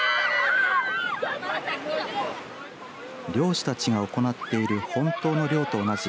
漁師たちが行っている本当の漁と同じ